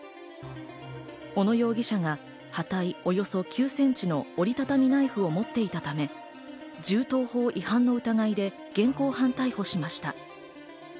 小野容疑者がおよそ９センチの折り畳みナイフを持っていたため、銃刀法違反の疑いで現行犯逮捕しました。